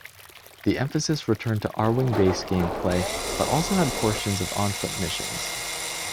The emphasis returned to Arwing-based gameplay, but also had portions of on-foot missions.